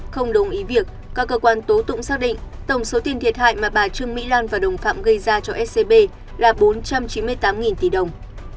không đồng ý việc các cơ quan tố tụng xác định tổng số tiền thiệt hại mà bà trương mỹ lan và đồng phạm gây ra cho scb là bốn trăm chín mươi tám tỷ đồng